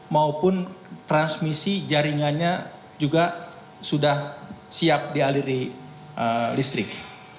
maupun transmisi jaringannya juga sudah siap dialiri listrik